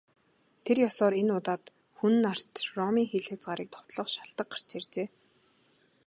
Тэр ёсоор энэ удаад Хүн нарт Ромын хил хязгаарыг довтлох шалтаг гарч иржээ.